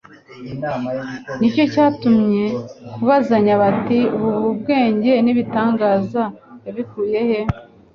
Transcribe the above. Nicyo cyabatcye kubazanya bati : «Ubu bwenge n'ibi bitangaza yabikuye he?»